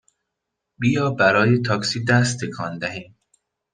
بیا برای تاکسی دست تکان دهیم!